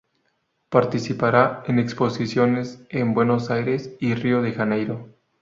Participará en exposiciones en Buenos Aires y Río de Janeiro.